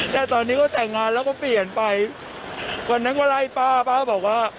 แต่ตอนนี้ก็แต่งงานแล้วก็เปลี่ยนไปวันนั้นก็ไล่ป้าป้าบอกว่า